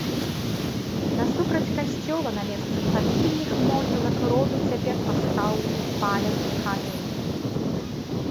Насупраць касцёла на месцы фамільных могілак роду цяпер пастаўлены памятны камень.